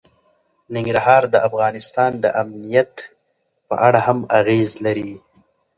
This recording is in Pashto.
ننګرهار د افغانستان د امنیت په اړه هم اغېز لري.